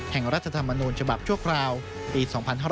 รัฐธรรมนูญฉบับชั่วคราวปี๒๕๕๙